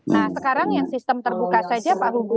nah sekarang yang sistem terbuka saja pak gugu